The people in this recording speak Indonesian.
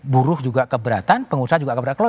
buruh juga keberatan pengusaha juga keberatan